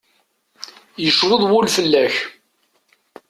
Yecweḍ wul fell-ak.